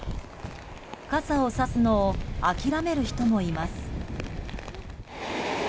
傘をさすのを諦める人もいます。